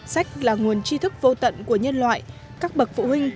sách là nguồn chi thức vô tận của nhân loại các bậc phụ huynh